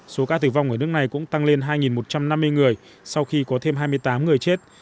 số ca tử vong ở nước này cũng tăng lên hai một trăm năm mươi người sau khi có thêm hai mươi tám người chết